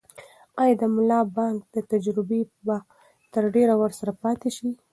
آیا د ملا بانګ دا تجربه به تر ډېره ورسره پاتې شي؟